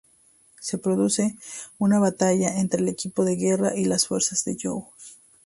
Se produce una batalla entre el equipo de guerra y las fuerzas de Joe.